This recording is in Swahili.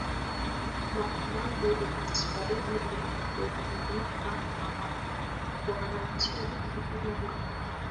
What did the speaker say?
mbalimbali za Kiswahili zinazotumika na wananchi Lugha